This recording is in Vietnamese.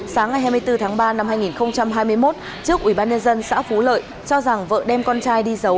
sáng ngày hai mươi bốn tháng ba năm hai nghìn hai mươi một trước ủy ban nhân dân xã phú lợi cho rằng vợ đem con trai đi giấu